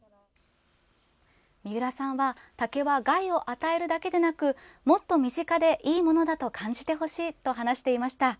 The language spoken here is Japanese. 三浦さんは竹は害を与えるだけではなくもっと身近で、いいものだと感じてほしいと話していました。